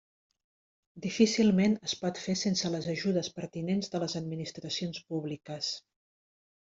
Difícilment es pot fer sense les ajudes pertinents de les administracions públiques.